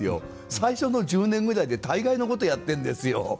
最初の１０年ぐらいで大概のことやってんですよ。